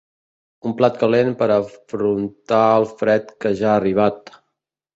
Un plat calent per a afrontar el fred que ja ha arribat.